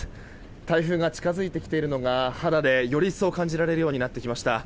台風が近づいてきているのが肌でより一層、感じられるようになってきました。